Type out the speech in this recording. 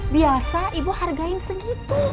biasa ibu hargain segitu